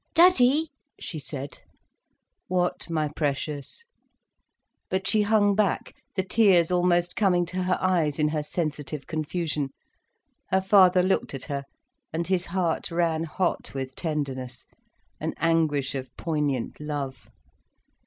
"Daddie—" she said. "What, my precious?" But she hung back, the tears almost coming to her eyes, in her sensitive confusion. Her father looked at her, and his heart ran hot with tenderness, an anguish of poignant love.